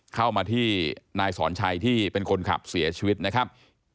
เข้ามาที่นายสอนชัยที่เป็นคนขับเสียชีวิตนะครับ